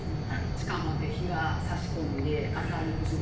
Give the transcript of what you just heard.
地下まで日が差し込んで明るく過ごせてます。